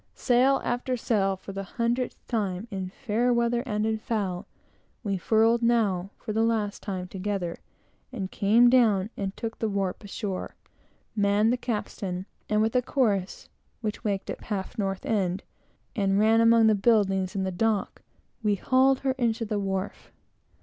Sail after sail, for the hundredth time, in fair weather and in foul, we furled now for the last time together, and came down and took the warp ashore, manned the capstan, and with a chorus which waked up half the North End, and rang among the buildings in the dock, we hauled her in to the wharf.